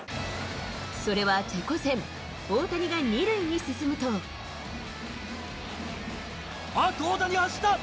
それはチェコ戦、大谷が２塁あっと、大谷が走った。